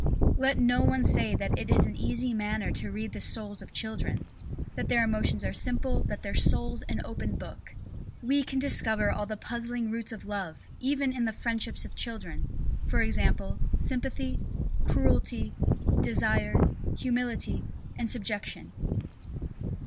Let no one say that it is an easy matter to read the souls of children! That their emotions are simple, that their soul's an open book! We can discover all the puzzling roots of love, even in the friendships of children, e.g., sympathy, cruelty, desire, humility, and subjection.